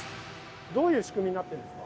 どういう仕組みになってるんですか？